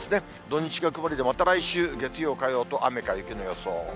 土日が曇りで、また来週月曜、火曜と雨か雪の予想。